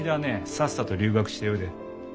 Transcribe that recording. さっさと留学しておいで。